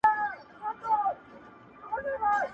یو ګړی له وهمه نه سوای راوتلای-